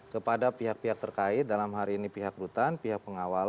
kepada pihak pihak terkait dalam hari ini pihak rutan pihak pengawal